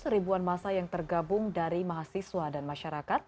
ribuan masa yang tergabung dari mahasiswa dan masyarakat